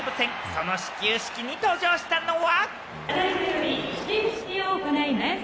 その始球式に登場したのは。